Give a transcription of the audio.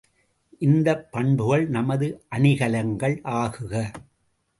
இந்தப் பண்புகள் நமது அணிகலன்கள் ஆகுக!